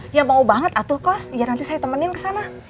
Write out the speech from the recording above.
dia mau banget atuh kos ya nanti saya temenin ke sana